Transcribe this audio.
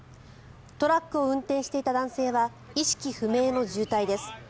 トラックを運転していた男性は意識不明の重体です。